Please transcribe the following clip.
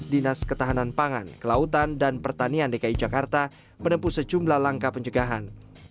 dinas ketahanan pangan kelautan dan pertanian dki jakarta menempuh sejumlah langkah pencegahan